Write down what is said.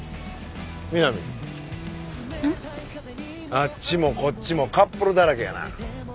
あっちもこっちもカップルだらけやな。